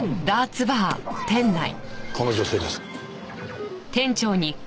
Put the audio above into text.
この女性です。